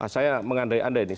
saya mengandai andai nih